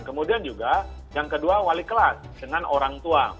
kemudian juga yang kedua wali kelas dengan orang tua